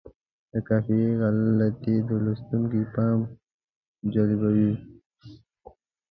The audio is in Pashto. د قافیې غلطي د لوستونکي پام جلبوي.